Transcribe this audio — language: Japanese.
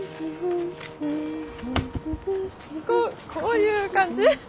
こういう感じ？